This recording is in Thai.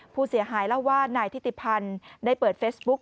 ผู้เสียหายเล่าว่านายทิติพันธ์ได้เปิดเฟซบุ๊ก